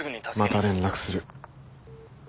また連絡する。